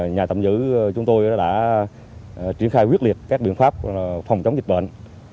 nhà tạm giữ chúng tôi đã triển khai quyết liệt các biện pháp phòng chống dịch bệnh